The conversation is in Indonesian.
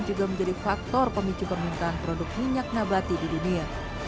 juga menjadi faktor pemicu permintaan produk minyak nabati di dunia